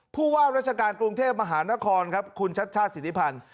ผู้ว่าราชการกรุงเทพมหานครครับคุณชัชชาติสิทธิพันธ์